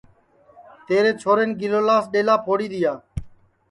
تیرے چھورین گیلولاس ڈؔیلا پھوڑی دؔیا